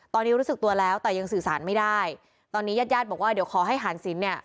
ตอนนี้รู้สึกตัวแล้วแต่ยังสื่อสารไม่ได้ตอนนี้ญาติญาติบอกว่าเดี๋ยวขอให้หารสินเนี่ย